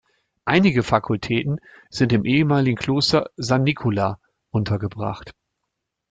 Einige Fakultäten sind im ehemaligen Kloster San Nicola untergebracht.